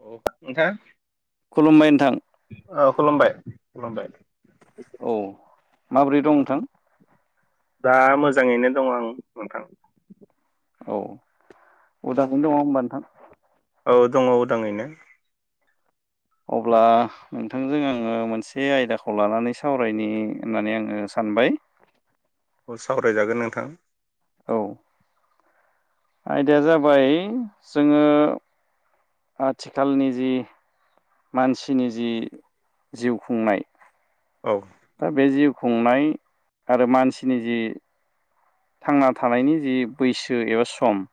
अ नोंथा खुलुमबाय नोंथां औ खुलुमबाय खुलुमबाय। औ माबोरै दं नोंथां? दा मोजाङैनो दं आं नोंथां। औ उदांयैनो दङ होमबा नोंथां? औ दङ उदाङैनो। अब्ला नोंथांजों आङो मोनसे आयदाखौ लानानै सावरायनि होननानै आङो सानो हानबाय औ सावरायजागोन नोंथां। औ। आयदाया जाबाय जोङो आथिखालनि जि मानसिनि जि जिउ खुंनाय औ दा बे जिउ खुंनाय आरो मानसिनि जि थांना थानायनि जि बैसो एबा सम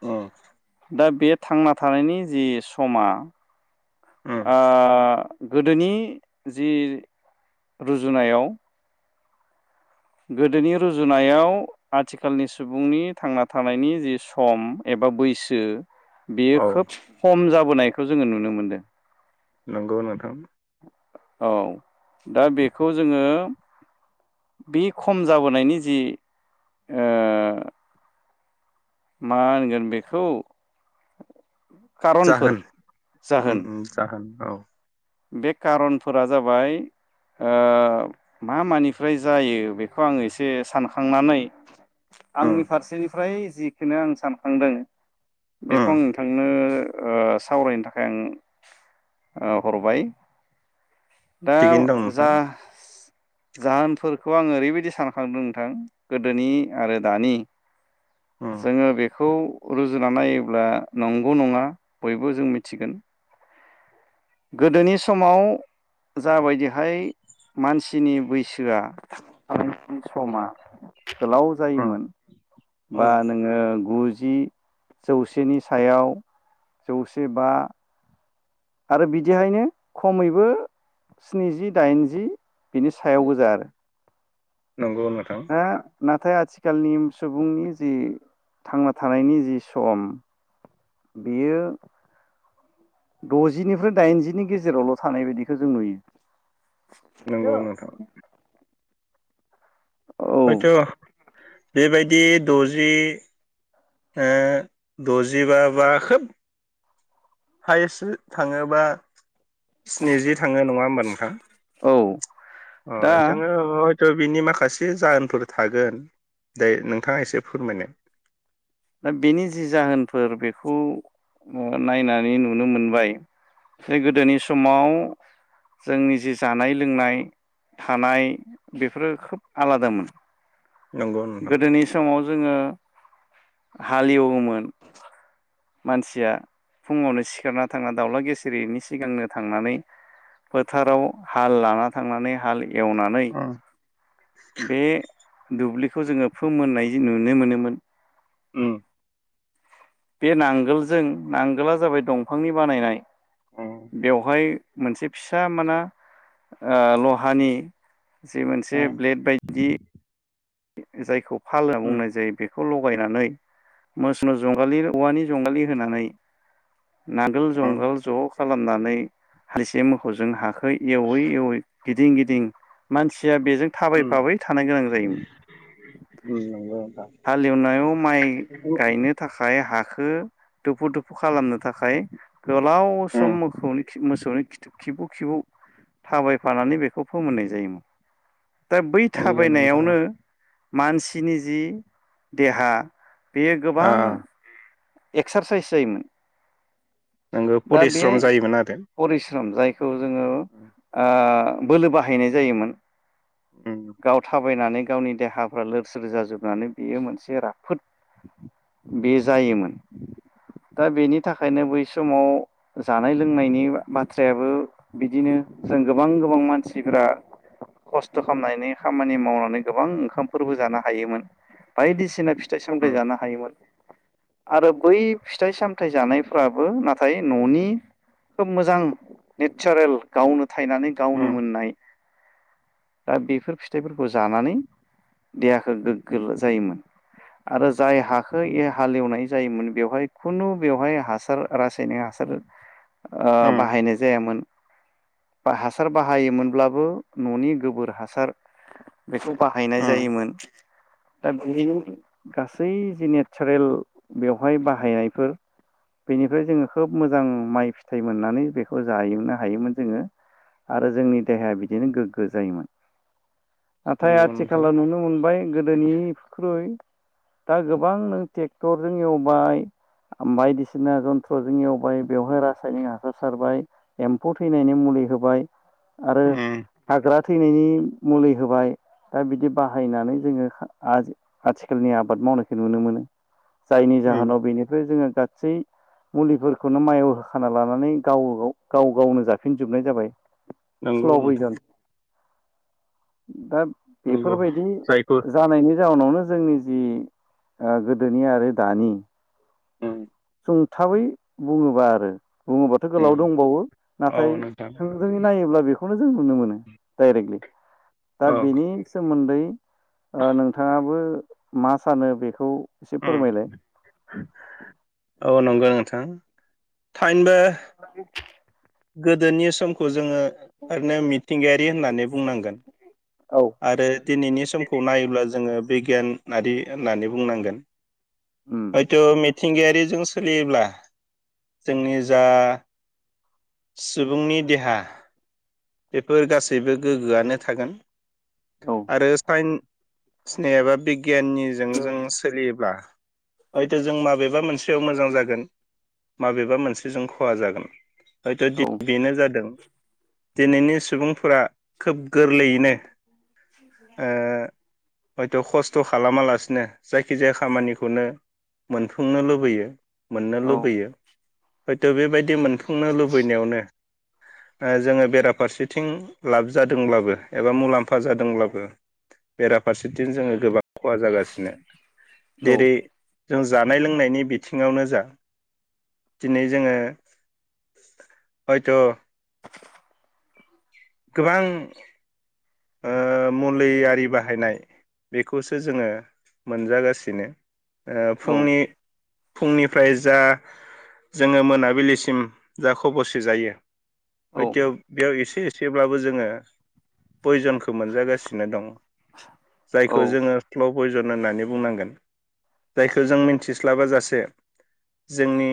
ओ। दा बे थांना थानायनि जि समा उम ओ गोदोनि जि रुजुनायाव गोदोनि रुजुनायाव आथिखालनि सुबुंनि थांना थानायनि जि सम एब बा बैसो बेयो औ खोब खम जाबोनायखौ जोङो नुनो मोनदों। नंगौ नोंथां। औ दा बेखौ जोङो बे खम जाबोनायनि जि ओ मा होनगोन बेखौ खारनफोर जाहोन उम जाहोन उ जाहोन औ। बे खारनफोरा जाबाय ओ मा मानिफ्राय जायो बेखौ आङो एसे सानखांनानै उम आंनि फारसेनिफ्राय जिखोनो आं सानखांदों उम बेखौ आं नोंथांनो ओ सावरायनो थाखाय आं औ हरबाय दा थिगैनो दं जा नोंथां जाहोनफोर खौ आङो ओरैबायदि सानखांदों नोंथां गोदोनि आरो दानि उम जोङो बेखौ रुजुना नायोब्ला नंगौ नङा बयबो जों मिथिगोन। गोदोनि समाव जाबायदिहाय मानसि नि बैसोया [unintelligible] समा गोलाव उम जायोमोन। बा उम नोङो गुजि जौसेनि सायाव जौसे बा आरो बिदिहायनो खमैबो स्निजि दाइनजि बिनि सायावबो गोजा आरो नंगौ नोंथां हा नाथाय आ थिखालनि सुबुंनि जि थांना थानायनि जि सम बियो दजिनिफ्राय दाइनजिनि गेजेरावल थानाय बिदिखौ जों नंगौ नुयो [unintelligible] नोंथां औ हयथ' बेबायदि दजि दजिबा बा खोब हायेस्ट थाङोबा स्निजि थांङो नङा होमबा नोंथां औ अ दा जोंङो थ बिनि माखासे जाहोनफोर थागोन दे नोंथाङा एसे फोरमायनाय दा बेनि जि जाहोनफोर बेखौ नायनानै नुनो मोनबाय जे गोदोनि समाव जोंनि जि जानाय लोंनाय थानाय बेफोरो खोब आलादामोन नंगौ नोंथां गोदोनि समाव जोंङो हालेवोमोन मानसिया फुंङावनो सिखारना थांना दाउला गिसिरिनि सिगांनो थांनानै फोथाराव हाल लाना थांनानै हाल एवनानै उम बे दुब्लिखौ जोंङो फोमोननाय नुनो मोनोमोन उम बे नांगोलजों नांगला जाबाय दंफांनि बानायनाय उम बेवहाय मोनसे फिसा माना ओ लहानि जि मोनसे ब्लेड बायदि जायखौ फाल होनना उम बुंनाय जायो बे खौ लगायनानै मोसनु जंगालि औवानि जंगालि होनानै नांगोल उम जुंगाल ज खालामनानै हासे मोसौजों हाख एवै एवै गिदिं गिदिं मानसिया बेजों उम थाबायफाबाय थानो गोनां जायोमोन [inaudible] नंगौ नोंथां हालेवनायाव माइ गायनो थाखाय हाखौ दुफु दुफु खालामनो थाखाय गोलाव सम उम मोखौनि मोसौनि खिथु खिबु खिबौ थाबायफानानै बेखौ फोमोननाय जायोमोन दा बै नंगौ नोंथां थाबायनायावनो मानसिनि जि देहा बेयो आ गोबां एक्सारसाइस जायोमोन नोंगो दा बे परिस्रम जायोमोन आरो परिस्रम जायखौ जोंङो ओ बोलो बाहायनाय जायोमोन उम गाव थाबायनानै गावनि देहाफ्रा लोरसोर जाजोबनानै बेयो मोनसे राफोद बे जायोमोन दा बेनि थाखायनो बै समाव जानाय लोंनायनि बाथ्रायाबो बिदिनो जों गोबां गोबां मानसिफोरा खस्थ खामनायनि खामानि मावनानै गोबां ओंखा खामफोरबो जानो हायोमोन बायदिसिना फिथाइ सामथायाइ उम जानो हायोमोन आरो बै फिथाइ सामथाइ जानायफ्राबो नाथाय न'निफ्रायनो खोब मोजां नेचारेल गावनो थायनानै गावनो उम मोननाय दा बेफोर फिथाइफोरखौ जानानै देहाखौ गोग्गो जायोमोन आरो जाय हाखौ हालेवनाय जायोमोन बेवहाय खुनु बेवहाय हासार रासायनिक हासार ओ बाहायनाय जायामोन बा हासार बाहायोमोनब्लाबो ननि गोबोर हासार बेखौ बाहायनाय उम जायोमोन दा बे गासै जि नेचारेल बेवहाय बाहायनायफोर बेनिफ्राय जोंङो खोब मोजां माइ फिथाइ मोननानै बेखौ जाहुंनो हायोमोन जोंङो आरो जोंनि उम देहाया बिदिनो गोग्गो जायोमोन नाथाय नंगौ नोंथां आथिखालाव नुनो मोनबाय गोदोनिख्रुइ दा गोबां नों ट्रेक्टरजों एवबाय ओम बायदिसिना जन्थ्र'जों एवबाय बेवहाय रासायनिक हासार सारबाय एम्फौ थैनायनि मुलि होबाय आरो उम हाग्रा थैनायनि मुलि होबाय दा बिदि बाहायनानै जोङो आ आथिखालनि आबाद मावनायखौ नुनो मोनो। जायनि उम जाहोनाव बेनिफ्राय जोङो गासै मुलिफोरखौनो माइायाव होखाना लानानै गाव गाव गाव गावनो जाफिनजोबनाय जाबाय। नंगौ स्ल' नोंथां। पयजन दा नंगौ बेफोरबायदि जायखौ जानायनि जाउनावनो जोंनि जि ओ गोदोनि आरो दानि औ। सुंथाबै बुङोब्ला आरो बुङोबाथ' उम गोलाव दंबावो औ नाथाय नोंथां थोंजोंयै नायोब्ला बे खौनो जों नुनो मोनो डाइरेक्टलि। दा औ बेनि सोमोन्दै ओ नोंथाङाबो मा सानो बेखौ एसे उम फोरमायलाय। औ नंगौ नोंथां थाइनबो [unintelligible] गोदोनि समखौ जोङो ओरैनो मिथिंगायारि होननानै बुंनांगोन औ आरो दिनैनि समखौ नायोब्ला जोङो बिगियान नारि होननानै बुंनांगोन। उम हयथ' मि थिंगायारिजों सोलियोब्ला जोंनि जा सुबुंनि देहा बेफोर गासैबो गोग्गोआनो थागोन। औ आरो साइन्सनि एबा बिगियाननिजों जों सोलियोब्ला हयथ' जों माबेबा मोनसेयाव मोजां जागोन माबेबा मोनसेजों खहा जागोन। हयथ' औ बेनो जादों दिनैनि सुबुंफोरा खोब गोरलैयैनो ओ [unintelligible] हयथ' खस्थ' खालामालासिनो जायखिजाया खामानिखौनो मोनफुंनो लुबैयो मोननो औ लुबैयो हयथ' बेबायदि मोनफुं लुबैनायावनो ओ जोङो बेराफारसेथिं लाब जादोंब्लाबो एबा मुलाम्फा जादोंब्लाबो बेराफारसेथिं जोङो गोबां खहा जागासिनो। देरै जों जानाय लोंनायनि बिथिङावनो जा दिनै जोङो हयथ' गोबां ओ मुलि आरि बाहायनाय बेखौसो जोङो मोनजागासिनो। ओ औ फुंनि फुंनिफ्राय जा जोङो मोनाबिलिसिम जा खबरसे जायो औ हयथ' बेयाव एसे एसेब्लाबो जोङो पयजनखौ मोनजागासिनो दं। औ जायखौ जोङो स्ल पयजन होननानै बुंनांगोन। जायखौ जों मिथिस्लाब जासे जोंनि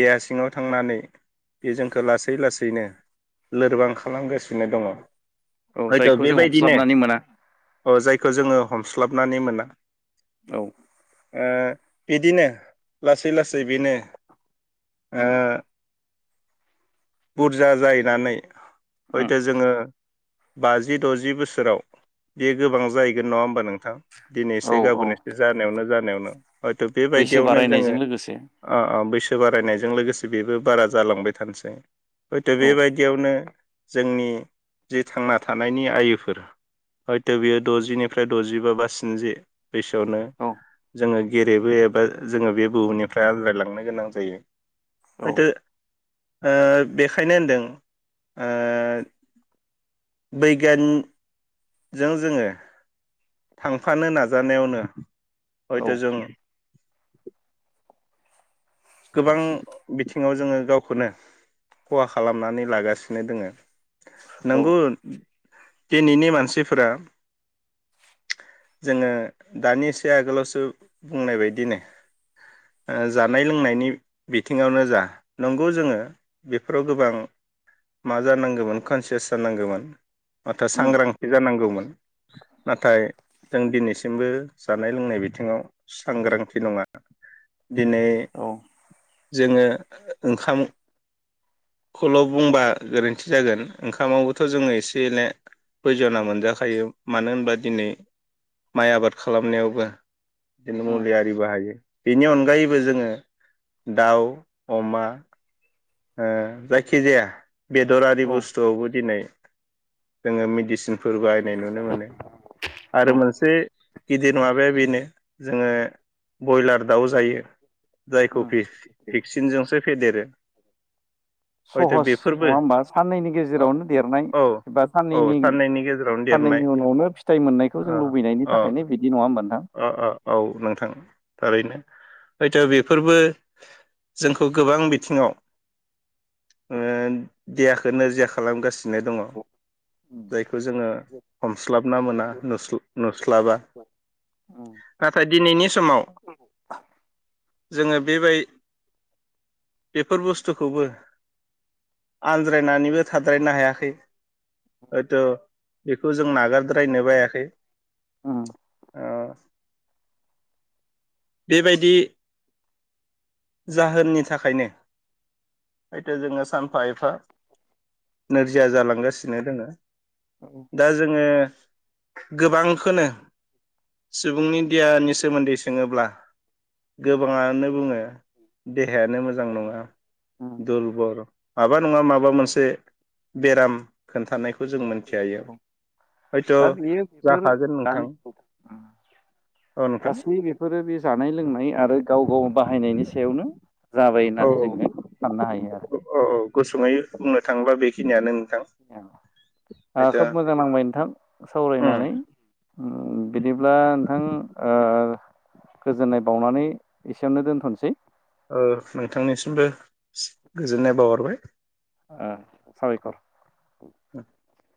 देहा सिङाव थांनानै बे जोंखौ लासै लासैनो लोरबां खालामगासिनो दङ। औ हयथ' जायखौ जों बेबायदिनो हमस्लाबनानै मोना अ जायखौ जोङो हमस्लाबनानै मोना औ। ओ बिदिनो लासै लासै बेनो ओ बुरजा जाहैनानै उम हयथ' जोङो बाजि द'जि बोसोराव बे गोबां जाहैगोन नङा होमबा नोंथां? दिनै औ एसे औ गाबोन एसे जानायावनो जानायावनो हयथ' बैसो बेबायदियावनो जोङो बारायनायजों लोगोसे ओओ बै बारायनायजों लोगोसे बेबो बारा जालांबाय थानोसै हयथ' औ बेबायदियावनो। जोंनि जि थांना थानायनि आयोफोर। हयथ' बेयो द'जिनिफ्राय द'जि बा बा स्निजि बैसोआवनो औ जोङो। गेरेबो एबा जोङो बे बुहुमनिफ्राय आल्रायलांनो गोनां जायो औ हयथ'। ओ बेखायनो होनदों ओ। बैगान जों जोङो। थांफानो नाजानायावनो औ हयथ' जों। गोबां बिथिङाव जोङो गावखौनो। खहा खालामनानै लागासिनो दोङो औ नंगौ। दिनैनि मानसिफोरा। जोङो दानि एसे आगोलावसो बुंनाय बायदिनो। ओ जानाय लोंनायनि। नि बिथिङावनो जा नंगौ जोङो बेफोराव गोबां। मा जानांगोमोन कनसियास जानांगोमोन। माथो उम सांग्रांथि जानांगौमोन नाथाय। जों दिनैसिमबो जानाय लोंनाय बिथिङाव सांग्रांथि नङा दिनै। औ जोङो ओंखाम। खौल' बुंबा गोरोन्थि जागोन ओंखामावबोथ' जोङो एसे एनो। बयजना मोनजाखायो मानो होनबा दिनै माइ आबाद खालामनायावबो। [unintelligible] उम मुलि आरि बाहायो बेनि अनगायैबो जोङो। दाउ अमा ओ जायखि जाया। बेदरारि औ बुस्थुआवबो दिनै जोङो मेडिसिन। फोर बाहायनाय नुनो मोनो आरो औ मोनसे। गिदिर मङाबाया बेनो जोङो बयलार दाउ जायो। जायखौ उम फिस पेक्सिनजोंसो फेदेरो। [unintelligible] हयथ' सहस बेफोरबो नङा होमबा साननैनि गेजेरावनो देरनाय औ एबा औ साननैनि गेजेरावनो सानै। देरनाय नि उनावनो फिथाइ अ मोननायखौ जों लुबैनायनि अ थाखायनो बिदि नङा होमबा नोंथां। अ अ औ नोंथां थारैनो हयथ' बेफोरबो जोंखौ गोबां बिथिङाव। ओ देहाखो नोरजिया खालामगासिनो दङ। जायखौ जोङो हमस्लाबना मोना नुस्ल-नुस्लाबा। उम नाथाय दिनैनि समाव। जोङो बेबाय बेफोर बुस्थुखौबो। आनज्रायनानैबो थाद्रायनो हायाखै। हयथ' बेखौ जों नागारद्रायनोबो हायाखै। उम। ओ। बेबायदि जाहोननि थाखायनो। हयथ' जोङो सानफा एफा नोरजिया जालांगासिनो दोङो। औ दा जोङो। गोबांखोनो सुबुंनि देयानि सोमोन्दै सोङोब्ला। गोबाङानो बुङो। देहायानो मोजां नङा उम दुरबर माबा नङा माबा। माबा मोनसे बेराम खोन्थानायखौ। खौ जों मोन्थिहायो औ हयथ' दा बियो बेफोर जाखागोन दानि नोंथां। औ नोंथां गासै बेफोरो बे जानाय लोंनाय आरो गाव गाव बाहायनायनि सायावनो। जाबाय औ होननानै जोङो साननो हायो आरो। औ औ गुसुङै बुंनो थाङोब्ला बेखिनियानो। नोंथां ओ दा खोब मोजां नांबाय नोंथां ओ सावरायनानै उम बिदिब्ला नोंथां ओ गोजोननाय बावनानै एसेयावनो दोनथ'नोसै ओ नोंथांनिसिमबो गोजोननाय बावहरबाय। ओ साबायखर उ [inaudible]